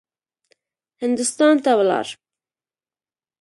هندوستان ته ولاړ.